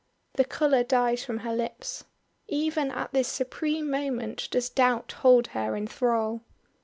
The color dies from her lips. Even at this supreme moment does Doubt hold her in thrall!